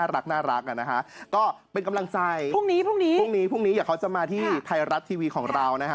และก็เลยเป็นแอนแอนแอนแอน๓ปีติดต่อกัน